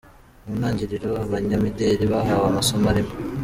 Mu ntangiriro abanyamideli bahawe amasomo arimo.